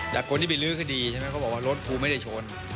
แต่คนที่ไปลื้อคดีใช่ไหมเขาบอกว่ารถครูไม่ได้ชน